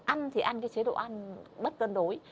ăn thì ăn cái chế độ ăn bất cân đối